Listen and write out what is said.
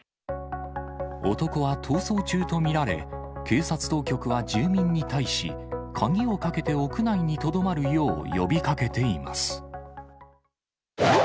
男は逃走中と見られ、警察当局は住民に対し、鍵をかけて屋内にとどまるよう呼びかけています。